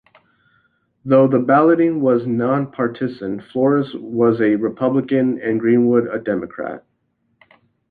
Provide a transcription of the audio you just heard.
Though the balloting was nonpartisan, Flores was a Republican and Greenwood a Democrat.